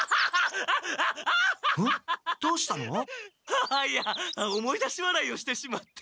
あいや思い出し笑いをしてしまって。